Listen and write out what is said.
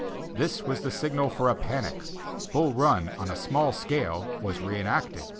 This was the signal for a panic; Bull Run, on a small scale was re enacted.